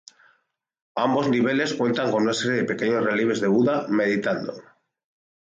Ambos niveles cuentan con una serie de pequeños relieves de Buda meditando.